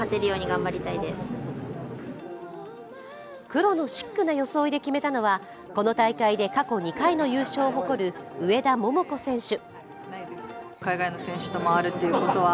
黒のシックな装いで決めたのはこの大会で過去２回の優勝を誇る上田桃子選手。